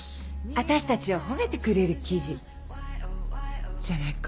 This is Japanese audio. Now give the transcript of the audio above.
私たちを褒めてくれる記事じゃないか。